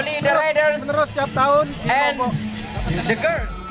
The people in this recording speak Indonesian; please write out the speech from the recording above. dan ini juga akan jadi agenda yang menerus setiap tahun di lombok